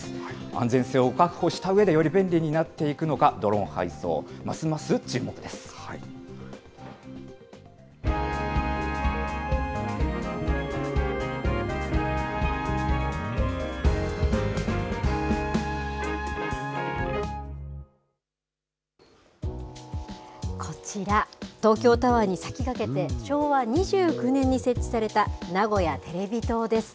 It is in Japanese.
安全性を確保したうえで、より便利になっていくのか、ドローン配こちら、東京タワーに先駆けて昭和２９年に設置された名古屋テレビ塔です。